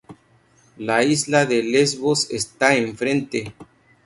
La isla de Lesbos está enfrente.